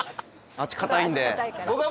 あっち硬いから。